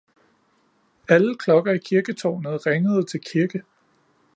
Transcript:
Alle klokker i kirketårnet ringede til kirke.